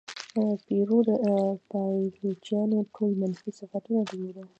پیرو د پایلوچانو ټول منفي صفتونه درلودل.